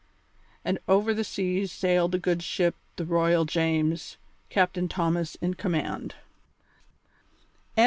And over the seas sailed the good ship the Royal James, Captain Thomas in command.